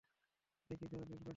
এটা কি ধরনের প্যাটার্ন?